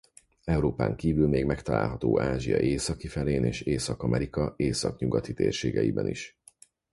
Európán kívül még megtalálható Ázsia északi felén és Észak-Amerika északnyugati térségeiben is.